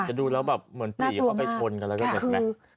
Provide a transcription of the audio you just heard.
ดูแล้วแบบเหมือนปลีเข้าไปชนกันแล้วก็เห็นไหม